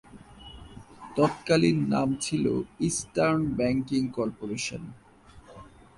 তৎকালীন নাম ছিল "ইস্টার্ন ব্যাংকিং কর্পোরেশন"।